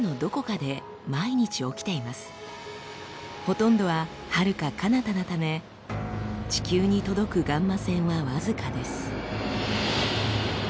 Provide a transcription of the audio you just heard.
ほとんどははるかかなたなため地球に届くガンマ線は僅かです。